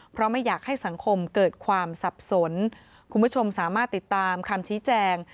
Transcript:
เพราะไม่อยากให้สังคมเกิดความสับสนคุณผู้ชมสามารถติดตามคำชี้แจง